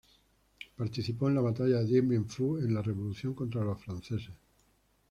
Participó en la Batalla de Dien Bien Phu en la revolución contra los franceses.